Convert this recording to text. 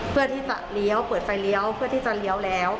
เพื่อที่จะเลี้ยวเปิดไฟเลี้ยวเพื่อที่จะเลี้ยวแล้ว